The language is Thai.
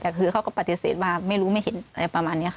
แต่คือเขาก็ปฏิเสธว่าไม่รู้ไม่เห็นอะไรประมาณนี้ค่ะ